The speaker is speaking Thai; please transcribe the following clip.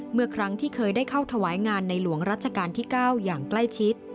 เมื่อครั้งที่เคยได้เข้าถวายงานในหลวงรัชกาลที่๙อย่างใกล้ชิด